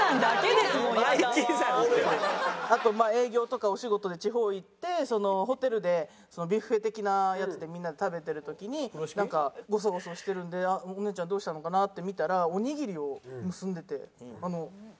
あと営業とかお仕事で地方行ってそのホテルでビュッフェ的なやつでみんなで食べてる時になんかゴソゴソしてるんでお姉ちゃんどうしたのかなって見たらおにぎりを結んでてあの炊飯器で。